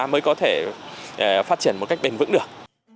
mới có thể phát triển một cách bền vững được